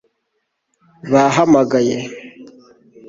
bahamagaye